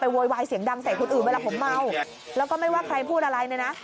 โวยวายเสียงดังใส่คนอื่นเวลาผมเมาแล้วก็ไม่ว่าใครพูดอะไรเนี่ยนะ